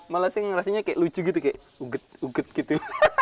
malah rasanya kayak lucu gitu kayak ugut ugut gitu